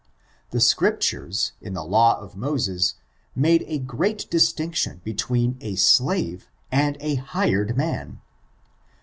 The Scriptures, in the law of Moses, make a great distinction between a slave and a hired man.